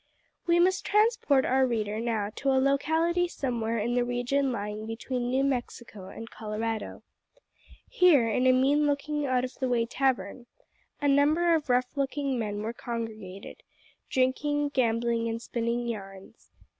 We must transport our reader now to a locality somewhere in the region lying between New Mexico and Colorado. Here, in a mean looking out of the way tavern, a number of rough looking men were congregated, drinking, gambling, and spinning yarns.